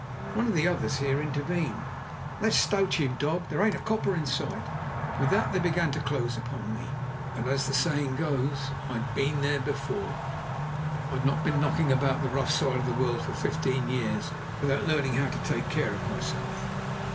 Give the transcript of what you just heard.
One of the others here intervened, "Let's stowch 'im, Dog! There ain't a copper in sight!" With that they began to close upon me. But, as the saying goes, "I'd been there before." I'd not been knocking about the rough side of the world for fifteen years without learning how to take care of myself.